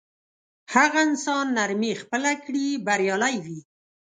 هغه انسان نرمي خپله کړي بریالی وي.